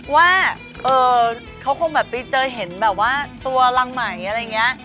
ว่าเขาคงแบบไปเจอเห็นแบบว่าตัวรังไหมอะไรอย่างนี้